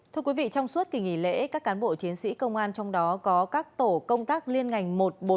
trong suốt kỳ nghỉ lễ các cán bộ chiến sĩ công an trong đó có các tổ công tác liên ngành một trăm bốn mươi một